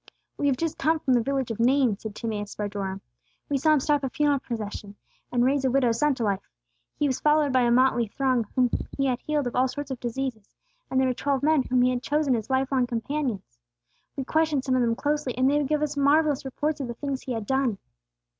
"We have just come from the village of Nain," said Timeus bar Joram. "We saw Him stop a funeral procession and raise a widow's son to life. He was followed by a motley throng whom He had healed of all sorts of diseases; and there were twelve men whom He had chosen as life long companions. "We questioned some of them closely, and they gave us marvellous reports of the things He had done."